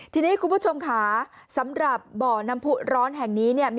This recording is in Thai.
ทีนี้คุณผู้ชมค่ะสำหรับบ่อน้ำผู้ร้อนแห่งนี้เนี่ย